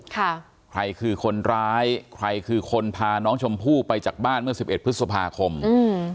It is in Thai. ใครคือคนร้ายใครคือคนพาน้องชมพู่ไปจากบ้านเมื่อสิบเอ็ดพฤษภาคมอืม